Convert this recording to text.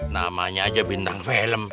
namanya aja bintang film